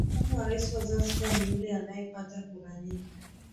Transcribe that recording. Makamu wa rais wa Zanzibar ni yule anayepata kura nyingi